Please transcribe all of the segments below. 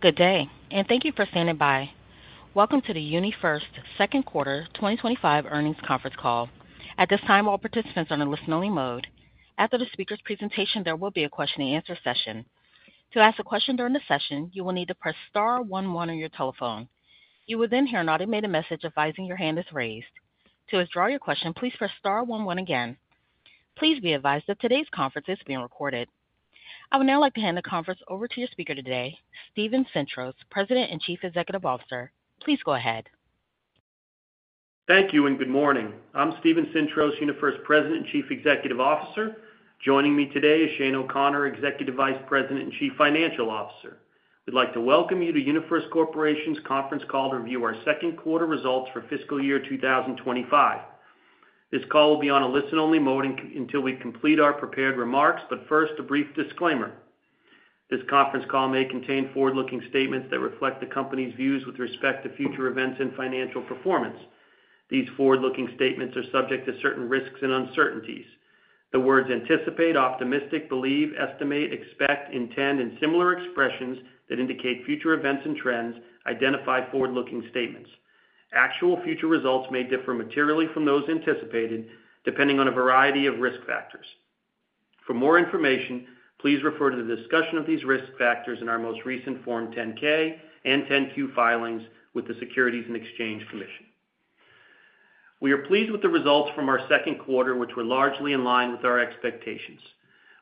Good day, and thank you for standing by. Welcome to the UniFirst Q2 2025 earnings conference call. At this time, all participants are in a listen-only mode. After the speaker's presentation, there will be a question-and-answer session. To ask a question during the session, you will need to press star 11 on your telephone. You will then hear an automated message advising your hand is raised. To withdraw your question, please press star 11 again. Please be advised that today's conference is being recorded. I would now like to hand the conference over to your speaker today, Steven Sintros, President and Chief Executive Officer. Please go ahead. Thank you and good morning. I'm Steven Sintros, UniFirst President and Chief Executive Officer. Joining me today is Shane O'Connor, Executive Vice President and Chief Financial Officer. We'd like to welcome you to UniFirst Corporation's conference call to review our second quarter results for fiscal year 2025. This call will be on a listen-only mode until we complete our prepared remarks, but first, a brief disclaimer. This conference call may contain forward-looking statements that reflect the company's views with respect to future events and financial performance. These forward-looking statements are subject to certain risks and uncertainties. The words anticipate, optimistic, believe, estimate, expect, intend, and similar expressions that indicate future events and trends identify forward-looking statements. Actual future results may differ materially from those anticipated depending on a variety of risk factors. For more information, please refer to the discussion of these risk factors in our most recent Form 10-K and 10-Q filings with the Securities and Exchange Commission. We are pleased with the results from our second quarter, which were largely in line with our expectations.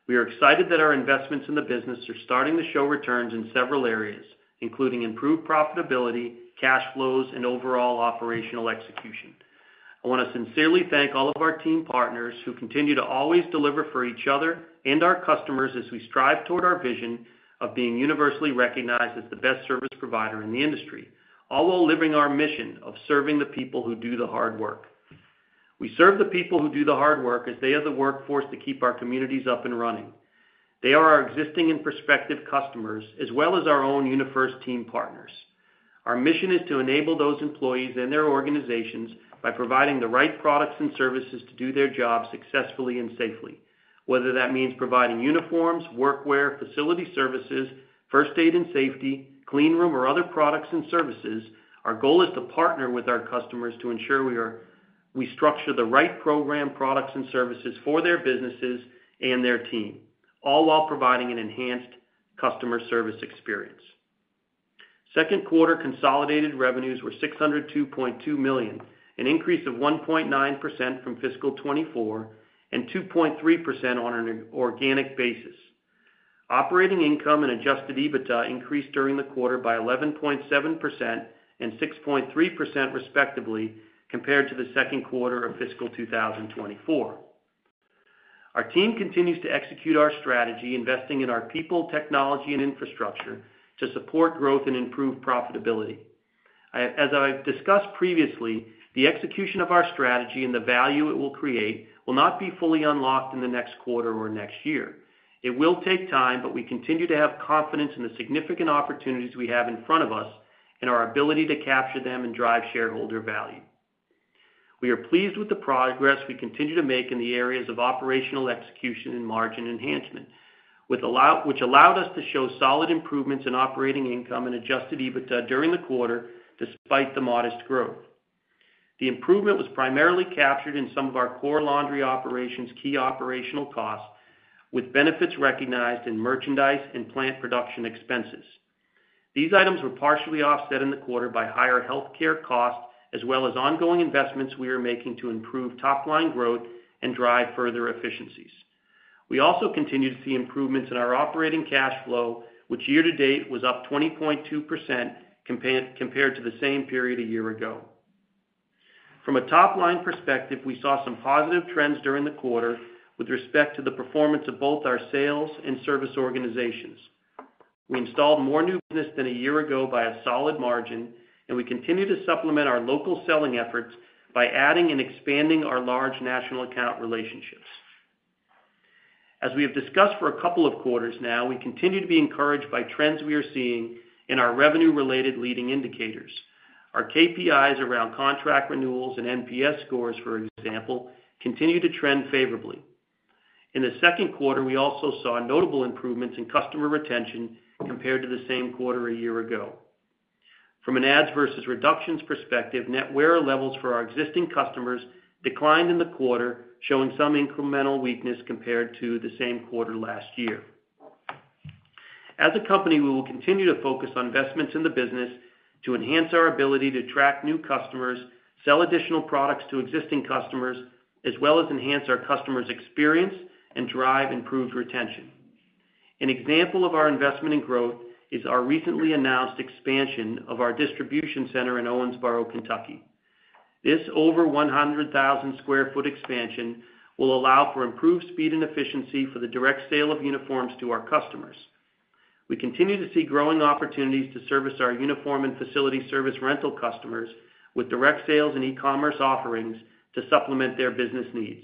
We are excited that our investments in the business are starting to show returns in several areas, including improved profitability, cash flows, and overall operational execution. I want to sincerely thank all of our team partners who continue to always deliver for each other and our customers as we strive toward our vision of being universally recognized as the best service provider in the industry, all while living our mission of serving the people who do the hard work. We serve the people who do the hard work as they are the workforce that keeps our communities up and running. They are our existing and prospective customers as well as our own UniFirst team partners. Our mission is to enable those employees and their organizations by providing the right products and services to do their jobs successfully and safely. Whether that means providing uniforms, workwear, facility services, first aid and safety, clean room, or other products and services, our goal is to partner with our customers to ensure we structure the right program products and services for their businesses and their team, all while providing an enhanced customer service experience. Second quarter consolidated revenues were $602.2 million, an increase of 1.9% from fiscal 2024 and 2.3% on an organic basis. Operating income and adjusted EBITDA increased during the quarter by 11.7% and 6.3% respectively compared to the second quarter of fiscal 2024. Our team continues to execute our strategy, investing in our people, technology, and infrastructure to support growth and improve profitability. As I've discussed previously, the execution of our strategy and the value it will create will not be fully unlocked in the next quarter or next year. It will take time, but we continue to have confidence in the significant opportunities we have in front of us and our ability to capture them and drive shareholder value. We are pleased with the progress we continue to make in the areas of operational execution and margin enhancement, which allowed us to show solid improvements in operating income and adjusted EBITDA during the quarter despite the modest growth. The improvement was primarily captured in some of our core laundry operations' key operational costs, with benefits recognized in merchandise and plant production expenses. These items were partially offset in the quarter by higher healthcare costs as well as ongoing investments we are making to improve top-line growth and drive further efficiencies. We also continue to see improvements in our operating cash flow, which year-to-date was up 20.2% compared to the same period a year ago. From a top-line perspective, we saw some positive trends during the quarter with respect to the performance of both our sales and service organizations. We installed more new business than a year ago by a solid margin, and we continue to supplement our local selling efforts by adding and expanding our large national account relationships. As we have discussed for a couple of quarters now, we continue to be encouraged by trends we are seeing in our revenue-related leading indicators. Our KPIs around contract renewals and NPS scores, for example, continue to trend favorably. In the second quarter, we also saw notable improvements in customer retention compared to the same quarter a year ago. From an adds versus reductions perspective, net wear levels for our existing customers declined in the quarter, showing some incremental weakness compared to the same quarter last year. As a company, we will continue to focus on investments in the business to enhance our ability to attract new customers, sell additional products to existing customers, as well as enhance our customers' experience and drive improved retention. An example of our investment in growth is our recently announced expansion of our distribution center in Owensboro, Kentucky. This over 100,000 sq ft expansion will allow for improved speed and efficiency for the direct sale of uniforms to our customers. We continue to see growing opportunities to service our uniform and facility service rental customers with direct sales and e-commerce offerings to supplement their business needs.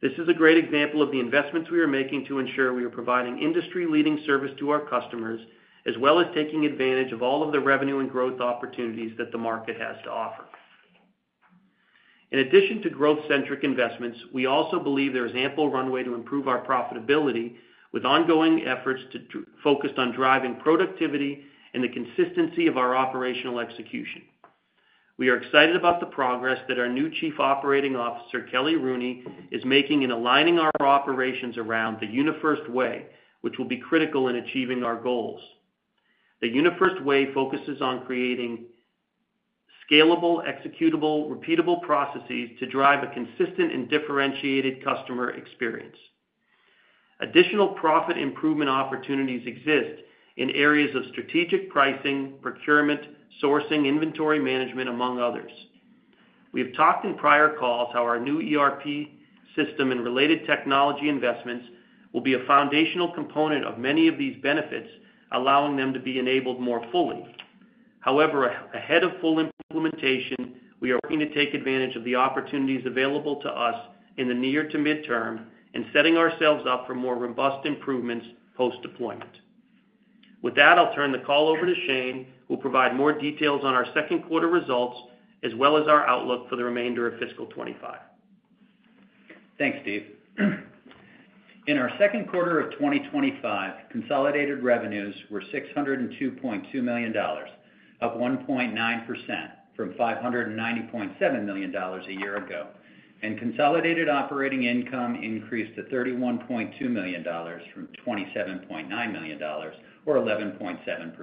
This is a great example of the investments we are making to ensure we are providing industry-leading service to our customers as well as taking advantage of all of the revenue and growth opportunities that the market has to offer. In addition to growth-centric investments, we also believe there is ample runway to improve our profitability with ongoing efforts focused on driving productivity and the consistency of our operational execution. We are excited about the progress that our new Chief Operating Officer, Kelly Rooney, is making in aligning our operations around the UniFirst Way, which will be critical in achieving our goals. The UniFirst Way focuses on creating scalable, executable, repeatable processes to drive a consistent and differentiated customer experience. Additional profit improvement opportunities exist in areas of strategic pricing, procurement, sourcing, inventory management, among others. We have talked in prior calls how our new ERP system and related technology investments will be a foundational component of many of these benefits, allowing them to be enabled more fully. However, ahead of full implementation, we are looking to take advantage of the opportunities available to us in the near to midterm and setting ourselves up for more robust improvements post-deployment. With that, I'll turn the call over to Shane, who will provide more details on our second quarter results as well as our outlook for the remainder of fiscal 2025. Thanks, Steve. In our second quarter of 2025, consolidated revenues were $602.2 million, up 1.9% from $590.7 million a year ago, and consolidated operating income increased to $31.2 million from $27.9 million, or 11.7%.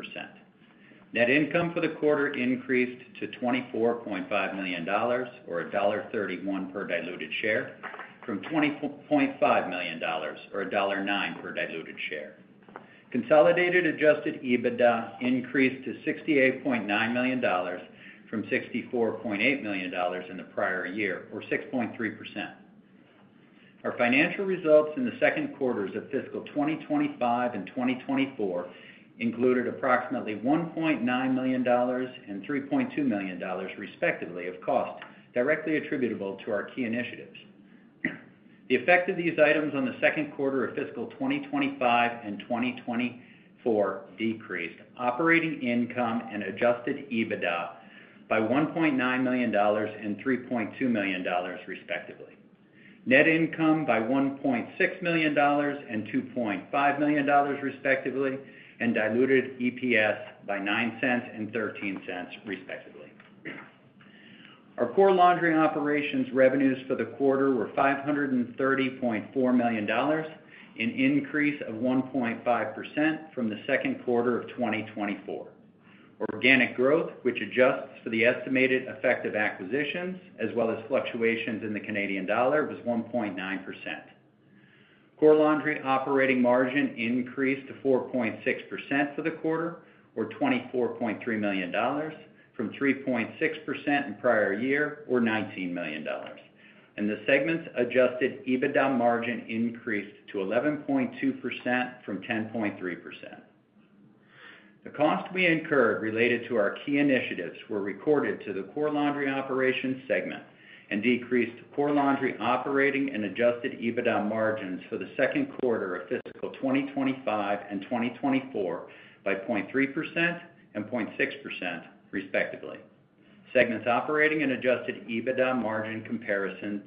Net income for the quarter increased to $24.5 million, or $1.31 per diluted share, from $20.5 million, or $1.09 per diluted share. Consolidated adjusted EBITDA increased to $68.9 million from $64.8 million in the prior year, or 6.3%. Our financial results in the second quarters of fiscal 2025 and 2024 included approximately $1.9 million and $3.2 million, respectively, of costs directly attributable to our key initiatives. The effect of these items on the second quarter of fiscal 2025 and 2024 decreased operating income and adjusted EBITDA by $1.9 million and $3.2 million, respectively. Net income by $1.6 million and $2.5 million, respectively, and diluted EPS by $0.09 and $0.13, respectively. Our core laundry operations revenues for the quarter were $530.4 million, an increase of 1.5% from the second quarter of 2024. Organic growth, which adjusts for the estimated effect of acquisitions as well as fluctuations in the Canadian dollar, was 1.9%. Core laundry operating margin increased to 4.6% for the quarter, or $24.3 million, from 3.6% in the prior year, or $19 million. The segment's adjusted EBITDA margin increased to 11.2% from 10.3%. The costs we incurred related to our key initiatives were recorded to the core laundry operations segment and decreased core laundry operating and adjusted EBITDA margins for the second quarter of fiscal 2025 and 2024 by 0.3% and 0.6%, respectively. Segments operating and adjusted EBITDA margin comparisons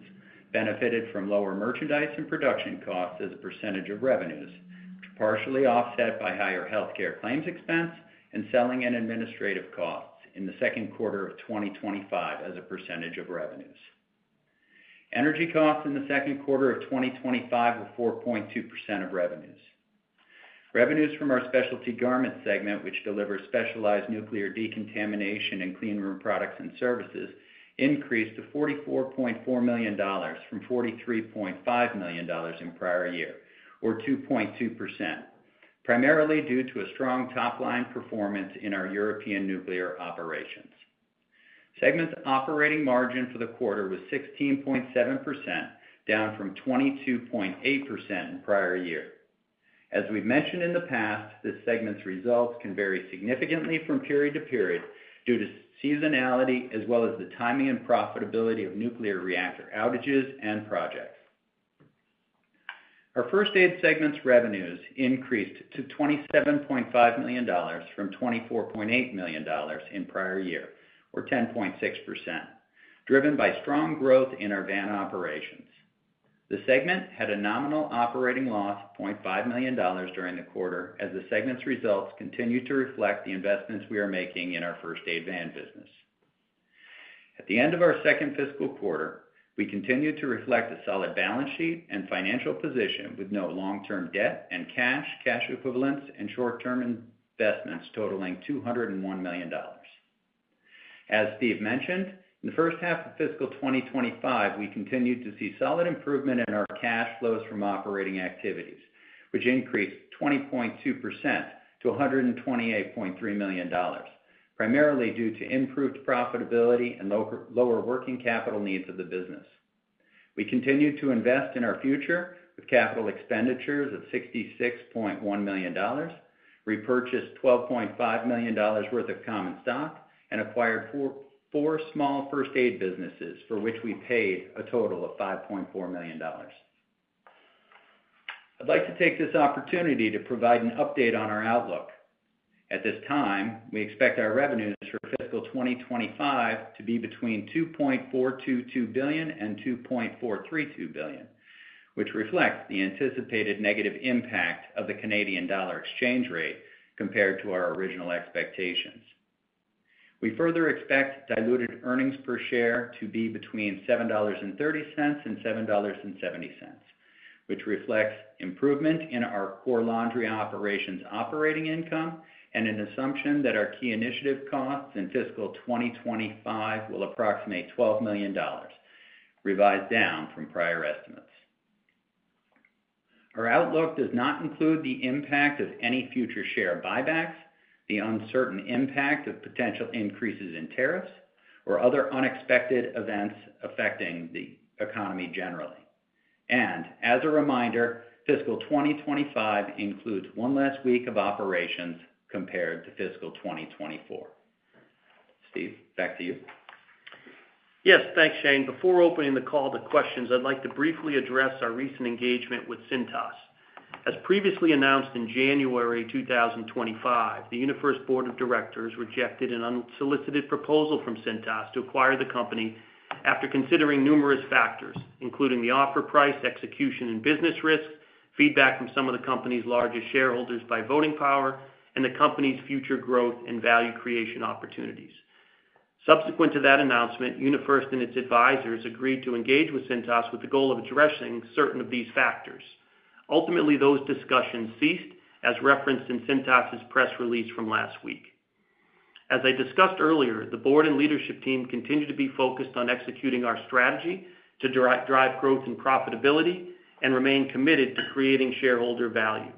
benefited from lower merchandise and production costs as a percentage of revenues, partially offset by higher healthcare claims expense and selling and administrative costs in the second quarter of 2025 as a percentage of revenues. Energy costs in the second quarter of 2025 were 4.2% of revenues. Revenues from our specialty garment segment, which delivers specialized nuclear decontamination and clean room products and services, increased to $44.4 million from $43.5 million in prior year, or 2.2%, primarily due to a strong top-line performance in our European nuclear operations. Segments operating margin for the quarter was 16.7%, down from 22.8% in prior year. As we've mentioned in the past, the segments' results can vary significantly from period to period due to seasonality as well as the timing and profitability of nuclear reactor outages and projects. Our first aid segment's revenues increased to $27.5 million from $24.8 million in prior year, or 10.6%, driven by strong growth in our van operations. The segment had a nominal operating loss of $0.5 million during the quarter as the segment's results continue to reflect the investments we are making in our first aid van business. At the end of our second fiscal quarter, we continue to reflect a solid balance sheet and financial position with no long-term debt and cash, cash equivalents, and short-term investments totaling $201 million. As Steve mentioned, in the first half of fiscal 2025, we continued to see solid improvement in our cash flows from operating activities, which increased 20.2% to $128.3 million, primarily due to improved profitability and lower working capital needs of the business. We continued to invest in our future with capital expenditures of $66.1 million, repurchased $12.5 million worth of common stock, and acquired four small first aid businesses for which we paid a total of $5.4 million. I'd like to take this opportunity to provide an update on our outlook. At this time, we expect our revenues for fiscal 2025 to be between $2.422 billion and $2.432 billion, which reflects the anticipated negative impact of the Canadian dollar exchange rate compared to our original expectations. We further expect diluted earnings per share to be between $7.30 and $7.70, which reflects improvement in our core laundry operations operating income and an assumption that our key initiative costs in fiscal 2025 will approximate $12 million, revised down from prior estimates. Our outlook does not include the impact of any future share buybacks, the uncertain impact of potential increases in tariffs, or other unexpected events affecting the economy generally. As a reminder, fiscal 2025 includes one less week of operations compared to fiscal 2024. Steve, back to you. Yes, thanks, Shane. Before opening the call to questions, I'd like to briefly address our recent engagement with Cintas. As previously announced in January 2025, the UniFirst Board of Directors rejected an unsolicited proposal from Cintas to acquire the company after considering numerous factors, including the offer price, execution and business risk, feedback from some of the company's largest shareholders by voting power, and the company's future growth and value creation opportunities. Subsequent to that announcement, UniFirst and its advisors agreed to engage with Cintas with the goal of addressing certain of these factors. Ultimately, those discussions ceased, as referenced in Cintas' press release from last week. As I discussed earlier, the board and leadership team continue to be focused on executing our strategy to drive growth and profitability and remain committed to creating shareholder value.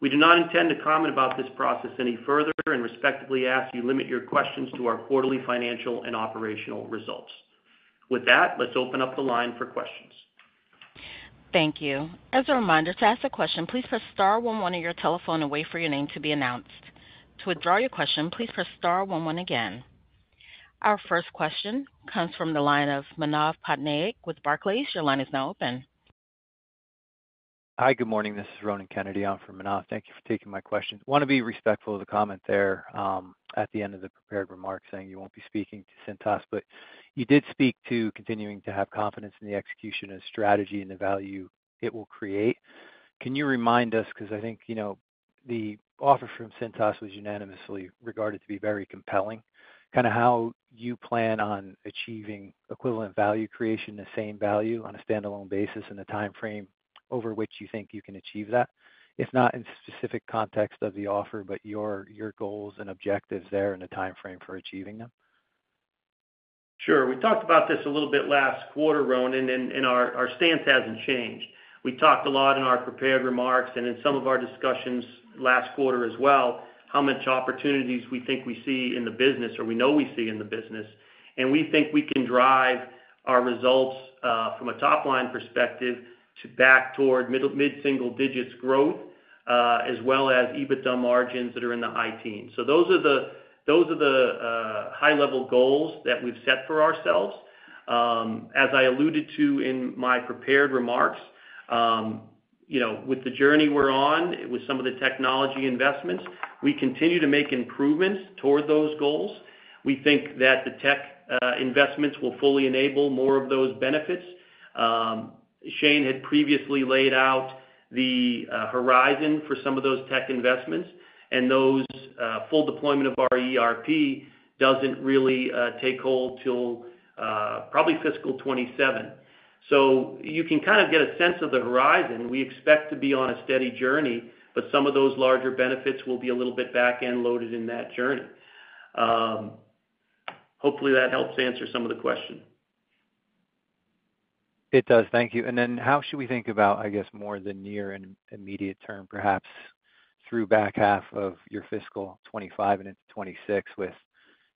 We do not intend to comment about this process any further and respectfully ask you to limit your questions to our quarterly financial and operational results. With that, let's open up the line for questions. Thank you. As a reminder, to ask a question, please press star one-one on your telephone and wait for your name to be announced. To withdraw your question, please press star one-one again. Our first question comes from the line of Manav Patnaik with Barclays. Your line is now open. Hi, good morning. This is Ronan Kennedy. I'm from Barclays. Thank you for taking my question. Want to be respectful of the comment there at the end of the prepared remark saying you won't be speaking to Cintas, but you did speak to continuing to have confidence in the execution of strategy and the value it will create. Can you remind us, because I think the offer from Cintas was unanimously regarded to be very compelling, kind of how you plan on achieving equivalent value creation, the same value on a standalone basis and the timeframe over which you think you can achieve that, if not in specific context of the offer, but your goals and objectives there and the timeframe for achieving them? Sure. We talked about this a little bit last quarter, Ronan, and our stance hasn't changed. We talked a lot in our prepared remarks and in some of our discussions last quarter as well, how much opportunities we think we see in the business or we know we see in the business, and we think we can drive our results from a top-line perspective to back toward mid-single digits growth as well as EBITDA margins that are in the high teens. Those are the high-level goals that we've set for ourselves. As I alluded to in my prepared remarks, with the journey we're on with some of the technology investments, we continue to make improvements toward those goals. We think that the tech investments will fully enable more of those benefits. Shane had previously laid out the horizon for some of those tech investments, and those full deployment of our ERP does not really take hold till probably fiscal 2027. You can kind of get a sense of the horizon. We expect to be on a steady journey, but some of those larger benefits will be a little bit back-end loaded in that journey. Hopefully, that helps answer some of the question. It does. Thank you. How should we think about, I guess, more the near and immediate term, perhaps through back half of your fiscal 2025 and into 2026 with, it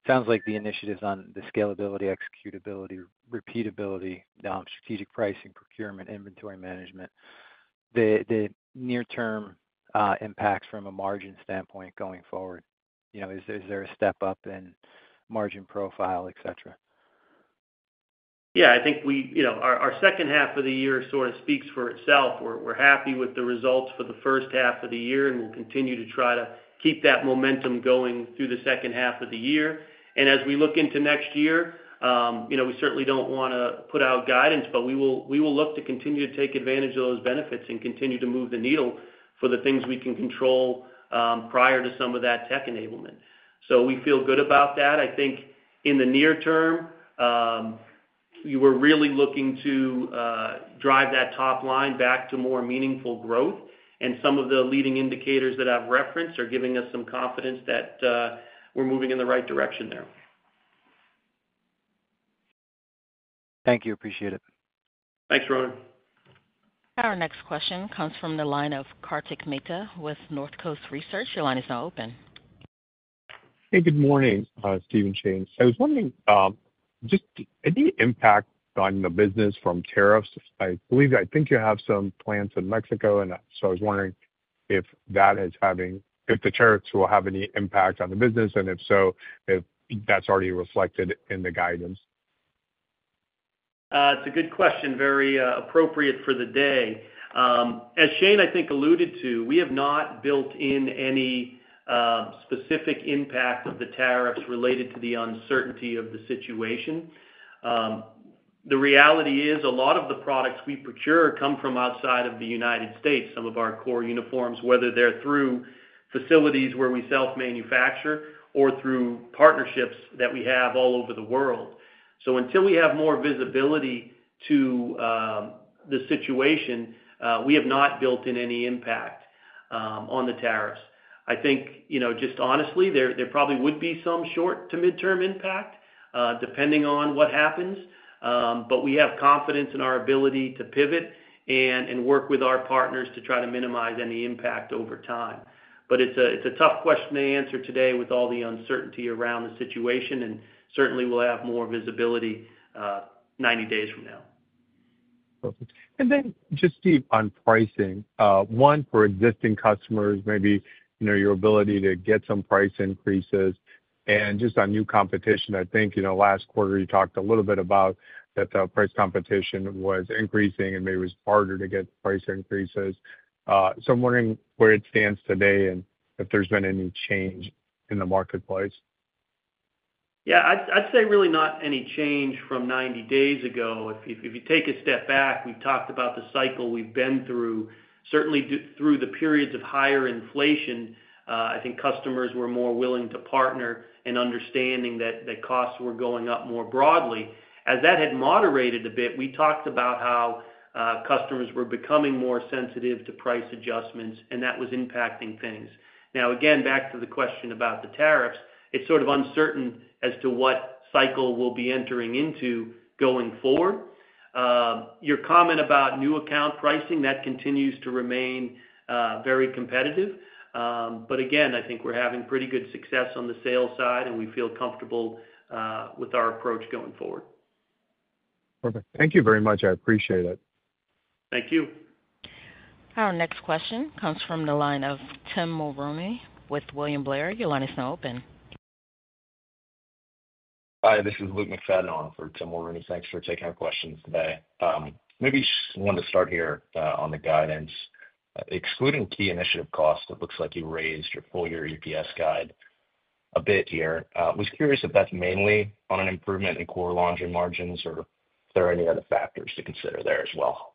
sounds like, the initiatives on the scalability, executability, repeatability, strategic pricing, procurement, inventory management, the near-term impacts from a margin standpoint going forward? Is there a step up in margin profile, etc.? Yeah, I think our second half of the year sort of speaks for itself. We're happy with the results for the first half of the year, and we'll continue to try to keep that momentum going through the second half of the year. As we look into next year, we certainly don't want to put out guidance, but we will look to continue to take advantage of those benefits and continue to move the needle for the things we can control prior to some of that tech enablement. We feel good about that. I think in the near term, we're really looking to drive that top line back to more meaningful growth, and some of the leading indicators that I've referenced are giving us some confidence that we're moving in the right direction there. Thank you. Appreciate it. Thanks, Ronan. Our next question comes from the line of Kartik Mehta with Northcoast Research. Your line is now open. Hey, good morning, Steven, Shane. I was wondering just any impact on the business from tariffs. I think you have some plans in Mexico, and so I was wondering if that is having, if the tariffs will have any impact on the business, and if so, if that's already reflected in the guidance. It's a good question, very appropriate for the day. As Shane, I think, alluded to, we have not built in any specific impact of the tariffs related to the uncertainty of the situation. The reality is a lot of the products we procure come from outside of the U.S., some of our core uniforms, whether they're through facilities where we self-manufacture or through partnerships that we have all over the world. Until we have more visibility to the situation, we have not built in any impact on the tariffs. I think just honestly, there probably would be some short to mid-term impact depending on what happens, but we have confidence in our ability to pivot and work with our partners to try to minimize any impact over time. It is a tough question to answer today with all the uncertainty around the situation, and certainly we'll have more visibility 90 days from now. Perfect. Just on pricing, one, for existing customers, maybe your ability to get some price increases, and just on new competition, I think last quarter you talked a little bit about that the price competition was increasing and maybe it was harder to get price increases. I am wondering where it stands today and if there has been any change in the marketplace. Yeah, I'd say really not any change from 90 days ago. If you take a step back, we've talked about the cycle we've been through. Certainly through the periods of higher inflation, I think customers were more willing to partner and understanding that costs were going up more broadly. As that had moderated a bit, we talked about how customers were becoming more sensitive to price adjustments, and that was impacting things. Now, again, back to the question about the tariffs, it's sort of uncertain as to what cycle we'll be entering into going forward. Your comment about new account pricing, that continues to remain very competitive. Again, I think we're having pretty good success on the sales side, and we feel comfortable with our approach going forward. Perfect. Thank you very much. I appreciate it. Thank you. Our next question comes from the line of Tim Mulroney with William Blair. Your line is now open. Hi, this is Luke McFadden for Tim Mulroney. Thanks for taking our questions today. Maybe I want to start here on the guidance. Excluding key initiative costs, it looks like you raised your full-year EPS guide a bit here. I was curious if that's mainly on an improvement in core laundry margins or if there are any other factors to consider there as well.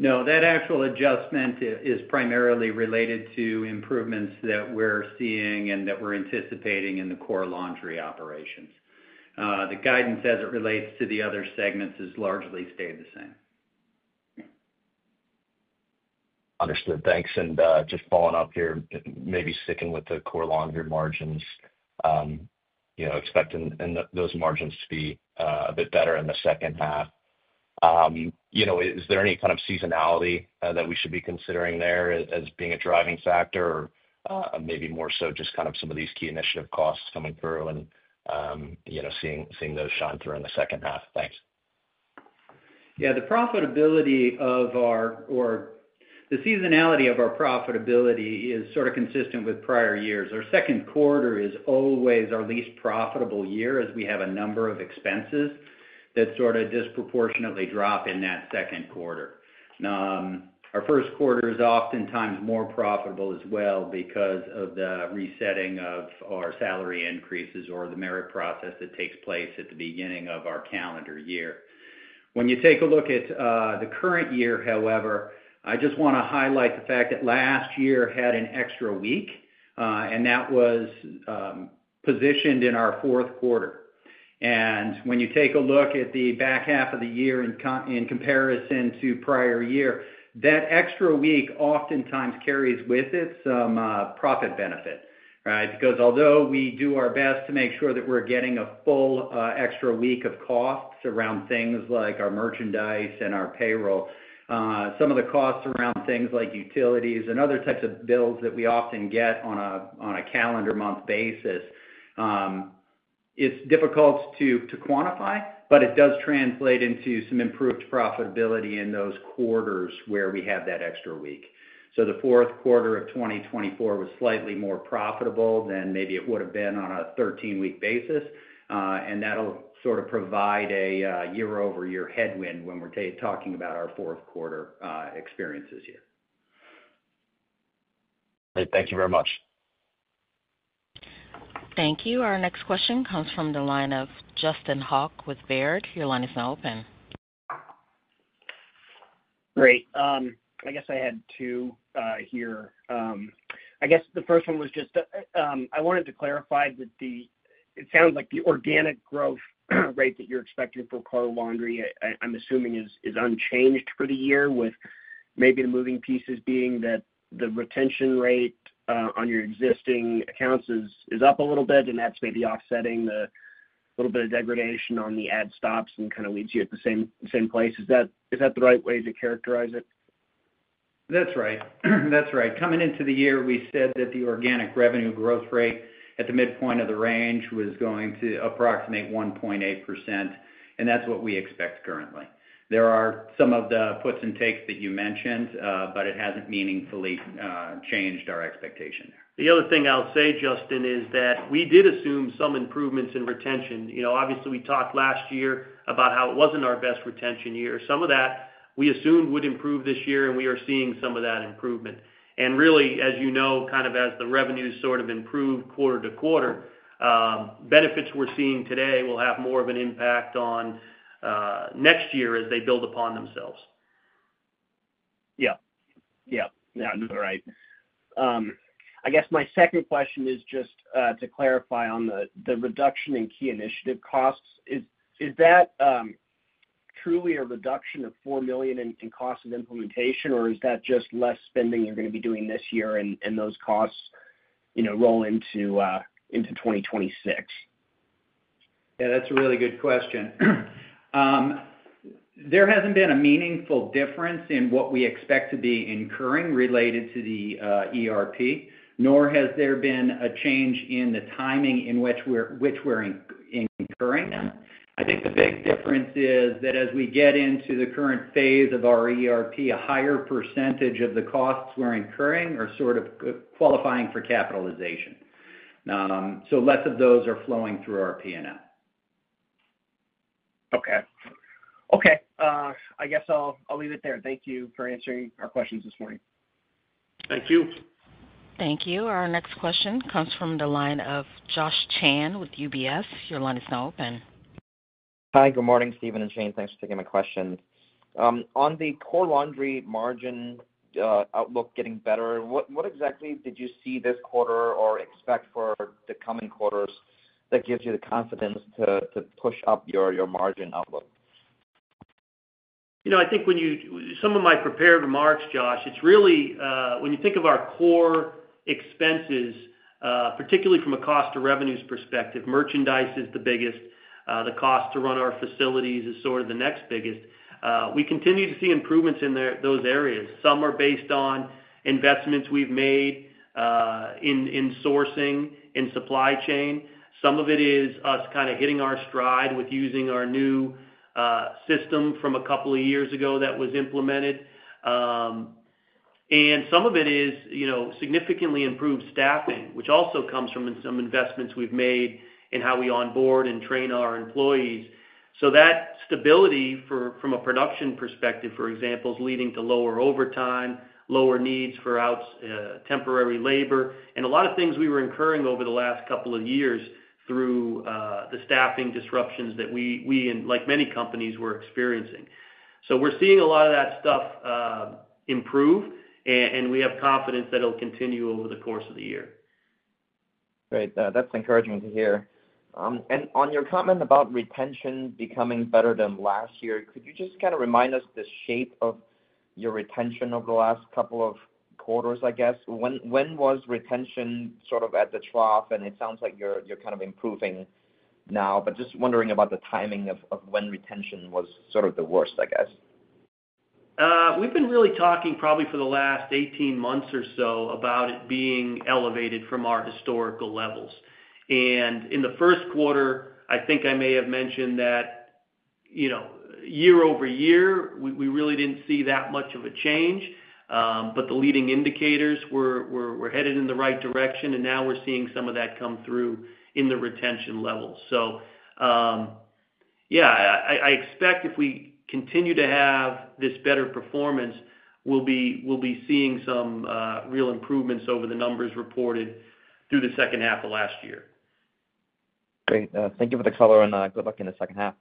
No, that actual adjustment is primarily related to improvements that we're seeing and that we're anticipating in the core laundry operations. The guidance as it relates to the other segments has largely stayed the same. Understood. Thanks. Just following up here, maybe sticking with the core laundry margins, expecting those margins to be a bit better in the second half. Is there any kind of seasonality that we should be considering there as being a driving factor or maybe more so just kind of some of these key initiative costs coming through and seeing those shine through in the second half? Thanks. Yeah, the profitability of our or the seasonality of our profitability is sort of consistent with prior years. Our second quarter is always our least profitable year as we have a number of expenses that sort of disproportionately drop in that second quarter. Our first quarter is oftentimes more profitable as well because of the resetting of our salary increases or the merit process that takes place at the beginning of our calendar year. When you take a look at the current year, however, I just want to highlight the fact that last year had an extra week, and that was positioned in our fourth quarter. When you take a look at the back half of the year in comparison to prior year, that extra week oftentimes carries with it some profit benefit, right? Because although we do our best to make sure that we're getting a full extra week of costs around things like our merchandise and our payroll, some of the costs around things like utilities and other types of bills that we often get on a calendar month basis, it's difficult to quantify, but it does translate into some improved profitability in those quarters where we have that extra week. The fourth quarter of 2024 was slightly more profitable than maybe it would have been on a 13-week basis, and that'll sort of provide a year-over-year headwind when we're talking about our fourth quarter experiences here. Great. Thank you very much. Thank you. Our next question comes from the line of Justin Hauke with Baird. Your line is now open. Great. I guess I had two here. I guess the first one was just I wanted to clarify that it sounds like the organic growth rate that you're expecting for core laundry, I'm assuming, is unchanged for the year, with maybe the moving pieces being that the retention rate on your existing accounts is up a little bit, and that's maybe offsetting a little bit of degradation on the ad stops and kind of leaves you at the same place. Is that the right way to characterize it? That's right. That's right. Coming into the year, we said that the organic revenue growth rate at the midpoint of the range was going to approximate 1.8%, and that's what we expect currently. There are some of the puts and takes that you mentioned, but it hasn't meaningfully changed our expectation there. The other thing I'll say, Justin, is that we did assume some improvements in retention. Obviously, we talked last year about how it wasn't our best retention year. Some of that we assumed would improve this year, and we are seeing some of that improvement. Really, as you know, kind of as the revenues sort of improve quarter to quarter, benefits we're seeing today will have more of an impact on next year as they build upon themselves. Yeah. Yeah. Yeah, you're right. I guess my second question is just to clarify on the reduction in key initiative costs. Is that truly a reduction of $4 million in cost of implementation, or is that just less spending you're going to be doing this year and those costs roll into 2026? Yeah, that's a really good question. There hasn't been a meaningful difference in what we expect to be incurring related to the ERP, nor has there been a change in the timing in which we're incurring them. I think the big difference is that as we get into the current phase of our ERP, a higher percentage of the costs we're incurring are sort of qualifying for capitalization. So less of those are flowing through our P&L. Okay. Okay. I guess I'll leave it there. Thank you for answering our questions this morning. Thank you. Thank you. Our next question comes from the line of Josh Chan with UBS. Your line is now open. Hi, good morning, Steven and Shane. Thanks for taking my question. On the core laundry margin outlook getting better, what exactly did you see this quarter or expect for the coming quarters that gives you the confidence to push up your margin outlook? I think when you some of my prepared remarks, Josh, it's really when you think of our core expenses, particularly from a cost-to-revenues perspective, merchandise is the biggest. The cost to run our facilities is sort of the next biggest. We continue to see improvements in those areas. Some are based on investments we've made in sourcing, in supply chain. Some of it is us kind of hitting our stride with using our new system from a couple of years ago that was implemented. Some of it is significantly improved staffing, which also comes from some investments we've made in how we onboard and train our employees. That stability from a production perspective, for example, is leading to lower overtime, lower needs for temporary labor, and a lot of things we were incurring over the last couple of years through the staffing disruptions that we, like many companies, were experiencing. We are seeing a lot of that stuff improve, and we have confidence that it will continue over the course of the year. Great. That's encouraging to hear. On your comment about retention becoming better than last year, could you just kind of remind us the shape of your retention over the last couple of quarters, I guess? When was retention sort of at the trough, and it sounds like you're kind of improving now, but just wondering about the timing of when retention was sort of the worst, I guess. We've been really talking probably for the last 18 months or so about it being elevated from our historical levels. In the first quarter, I think I may have mentioned that year over year, we really didn't see that much of a change, but the leading indicators were headed in the right direction, and now we're seeing some of that come through in the retention levels. Yeah, I expect if we continue to have this better performance, we'll be seeing some real improvements over the numbers reported through the second half of last year. Great. Thank you for the color, and good luck in the second half.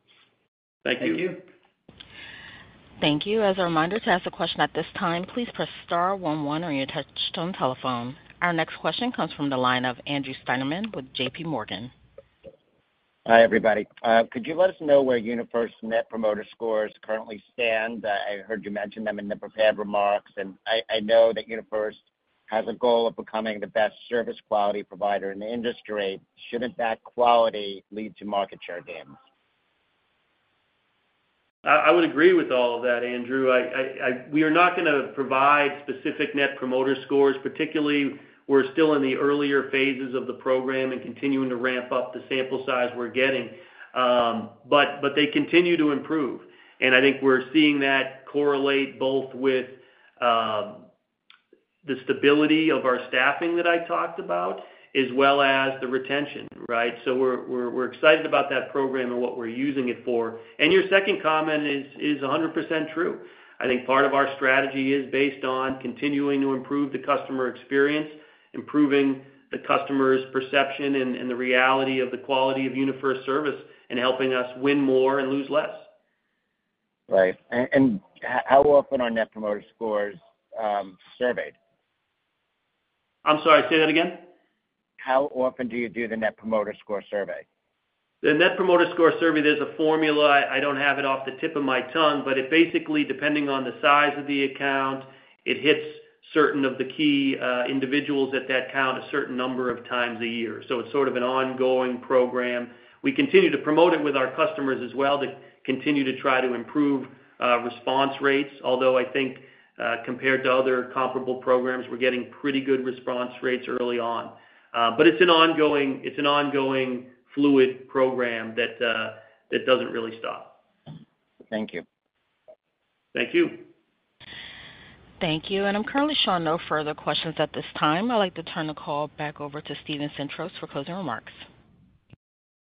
Thank you. Thank you. Thank you. As a reminder to ask a question at this time, please press star 11 on your touch-tone telephone. Our next question comes from the line of Andrew Steinerman with JP Morgan. Hi, everybody. Could you let us know where UniFirst's net promoter scores currently stand? I heard you mention them in the prepared remarks, and I know that UniFirst has a goal of becoming the best service quality provider in the industry. Shouldn't that quality lead to market share gains? I would agree with all of that, Andrew. We are not going to provide specific net promoter scores. Particularly, we're still in the earlier phases of the program and continuing to ramp up the sample size we're getting, but they continue to improve. I think we're seeing that correlate both with the stability of our staffing that I talked about as well as the retention, right? We are excited about that program and what we're using it for. Your second comment is 100% true. I think part of our strategy is based on continuing to improve the customer experience, improving the customer's perception and the reality of the quality of UniFirst service and helping us win more and lose less. Right. How often are net promoter scores surveyed? I'm sorry, say that again. How often do you do the Net Promoter Score survey? The net promoter score survey, there's a formula. I don't have it off the tip of my tongue, but it basically, depending on the size of the account, it hits certain of the key individuals at that account a certain number of times a year. It is sort of an ongoing program. We continue to promote it with our customers as well to continue to try to improve response rates, although I think compared to other comparable programs, we're getting pretty good response rates early on. It is an ongoing fluid program that doesn't really stop. Thank you. Thank you. Thank you. I am currently showing no further questions at this time. I would like to turn the call back over to Steven Sintros for closing remarks.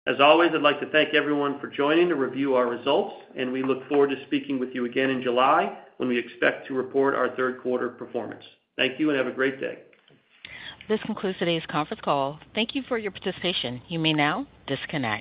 As always, I'd like to thank everyone for joining to review our results, and we look forward to speaking with you again in July when we expect to report our third quarter performance. Thank you and have a great day. This concludes today's conference call. Thank you for your participation. You may now disconnect.